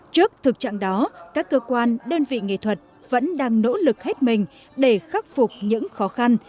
trước thực trạng đó các cơ quan đơn vị nghệ thuật vẫn đang nỗ lực hết mình để khắc phục những khó khăn